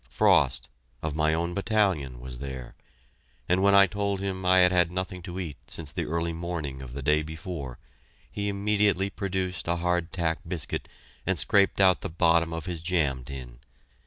Frost, of my own battalion, was there, and when I told him I had had nothing to eat since the early morning of the day before, he immediately produced a hardtack biscuit and scraped out the bottom of his jam tin.